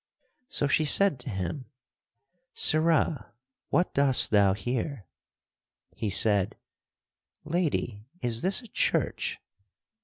So she said to him, "Sirrah, what dost thou here?" He said, "Lady, is this a church?"